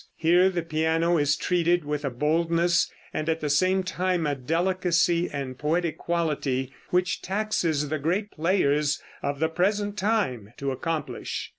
Here the piano is treated with a boldness, and at the same time a delicacy and poetic quality, which taxes the greatest players of the present time to accomplish.